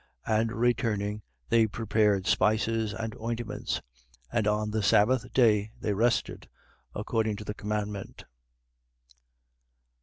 23:56. And returning, they prepared spices and ointments: and on the sabbath day they rested, according to the commandment.